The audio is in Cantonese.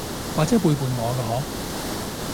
或者背叛我㗎嗬？